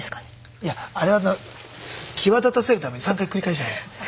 いやあれは際立たせるために３回繰り返したんです。